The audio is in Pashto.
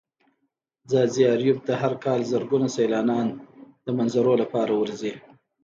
ځاځي اريوب ته هر کال زرگونه سيلانيان د منظرو لپاره ورځي.